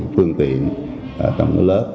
phương tiện trong lớp